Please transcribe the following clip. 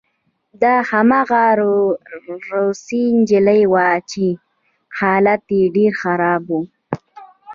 دا هماغه روسۍ نجلۍ وه چې حالت یې ډېر خراب و